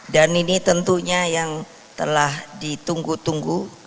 ini tentunya yang telah ditunggu tunggu